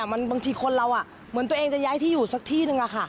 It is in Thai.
บางทีคนเราเหมือนตัวเองจะย้ายที่อยู่สักที่หนึ่ง